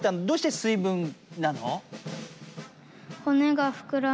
どうして水分なの？